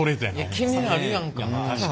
気になるやんか。